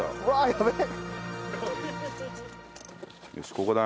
やべえ。